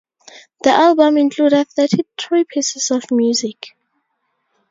The album included thirty-three pieces of music.